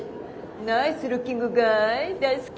ナイスルッキングガイ大好き。